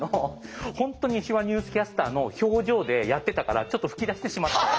本当に手話ニュースキャスターの表情でやってたからちょっと吹き出してしまって。